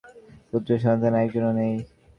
পুত্র-সন্তান একজনও নেই।